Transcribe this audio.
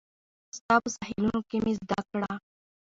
ستا په ساحلونو کې مې زده کړه